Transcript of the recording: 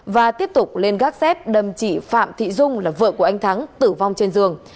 và tiếp tục lên gác xét đâm chị phạm thị dung là vợ của anh thắng tử vong trên giường